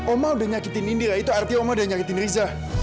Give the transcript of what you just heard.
oma udah nyakitin ini lah itu artinya oma udah nyakitin riza